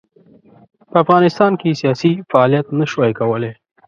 په افغانستان کې یې سیاسي فعالیت نه شوای کولای.